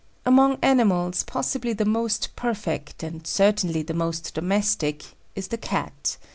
Among animals possibly the most perfect, and certainly the most domestic, is the Cat.